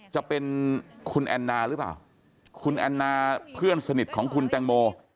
จะเป็นคุณแอนนาหรือเปล่าคุณแอนนาเพื่อนสนิทของคุณแตงโม